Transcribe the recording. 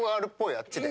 あっちで。